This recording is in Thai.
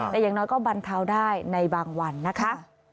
แต่อย่างน้อยก็บรรเทาได้ในบางวันนะคะ